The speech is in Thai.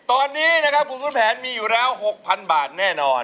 ตอนนี้นะครับคุณสมแผนมีอยู่แล้ว๖๐๐๐บาทแน่นอน